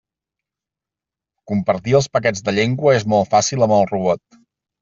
Compartir els paquets de llengua és molt fàcil amb el robot.